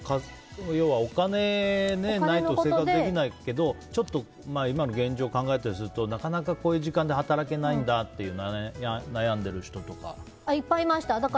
お金がないと生活できないけどちょっと今の現状を考えたりすると、こういう時間で働けないんだって悩んでる人とか。いっぱいいました。